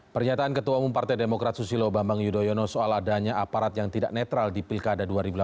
pernyataan ketua umum partai demokrat susilo bambang yudhoyono soal adanya aparat yang tidak netral di pilkada dua ribu delapan belas